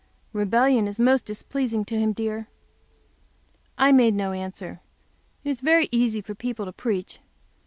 Rebellion is most displeasing to Him, dear." I made no answer. It is very easy for people to preach.